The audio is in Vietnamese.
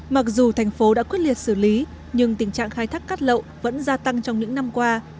mặc dù thành phố đã quyết liệt xử lý nhưng tình trạng khai thác cát lậu vẫn gia tăng trong những năm qua